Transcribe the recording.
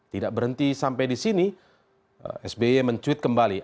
tidak berhenti sampai di sini sby mencuit kembali